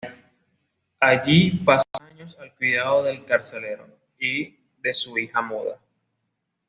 Allí pasa años al cuidado del carcelero y de su hija muda.